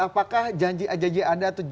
apakah janji anda